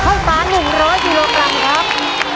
เข้าสารหมุนร้อยกิโลกรัมครับ